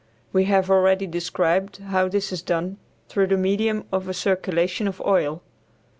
We have already described how this is done through the medium of a circulation of oil.